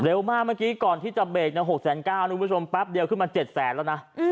เร็วมากเมื่อกี้ก่อนที่จะเบรก๖๙๐๐๐๐น้องผู้ชมแป๊บเดียวขึ้นมา๗๐๐๐๐๐แล้วนะ